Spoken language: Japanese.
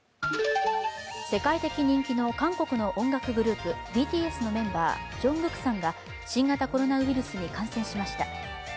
世界的人気の韓国の音楽グループＢＴＳのメンバー、ＪＵＮＧＫＯＯＫさんが新型コロナウイルスに感染しました。